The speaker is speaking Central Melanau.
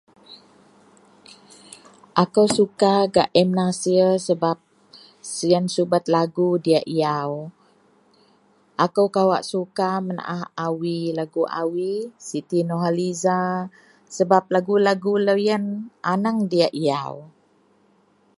akou suka gak m.nasir sebab siyen subet lagu diyak yau, aku kawak suka menaah awie, lagu awie, siti nuhaliza sebab lagu-lagu loyien aneng diyak yau